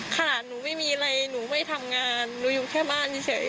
ค่ะหนูไม่มีอะไรหนูไม่ทำงานหนูอยู่แค่บ้านเฉย